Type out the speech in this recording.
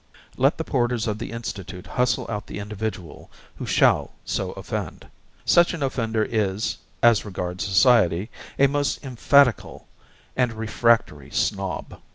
Let the porters of the Institute hustle out the individual who shall so offend. Such an offender is, as regards society, a most emphatical and refractory Snob.